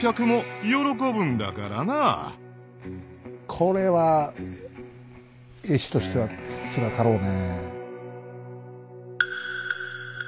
これは絵師としてはつらかろうね。